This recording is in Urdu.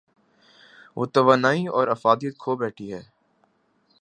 وہ توانائی اورافادیت کھو بیٹھی ہے۔